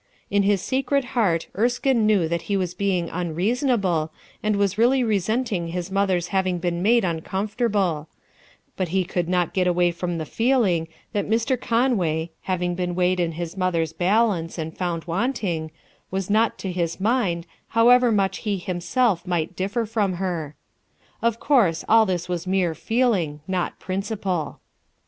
In his secret heart Erskine knew that he was being unreason able, and was really resenting his mother's having been made uncomfortable; but he could not get away from the feeling that Mr. Conway, having been weighed in his mother's balance 26 HUTU ERSKINE'S SON and found wanting, was not to his mind, how^ ever much he himself might differ from her. Of course all this was mere feeling, not principle.